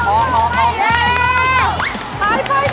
ไปอยู่เลย